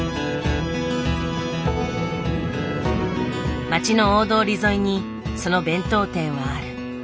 町の大通り沿いにその弁当店はある。